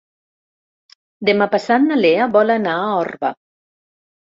Demà passat na Lea vol anar a Orba.